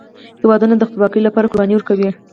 هیوادونه د خپلواکۍ لپاره قربانۍ ورکوي.